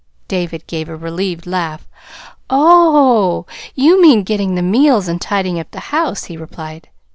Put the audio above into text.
David gave a relieved laugh. "Oh, you mean getting the meals and tidying up the house," he replied.